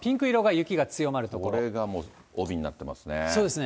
これがもう、帯になってますそうですね。